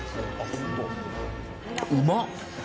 うまっ。